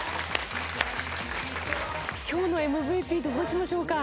今日のＭＶＰどうしましょうか？